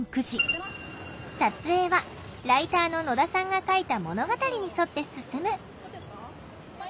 撮影はライターの野田さんが書いた物語に沿って進む。